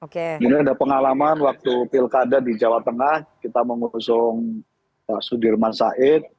kemudian ada pengalaman waktu pilkada di jawa tengah kita mengusung pak sudirman said